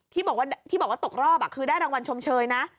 ที่บอกว่าตกรอบคือได้รางวัลชมเชยนะ